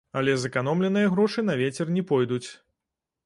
Але зэканомленыя грошы на вецер не пойдуць.